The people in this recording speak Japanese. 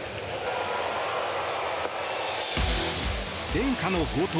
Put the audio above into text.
伝家の宝刀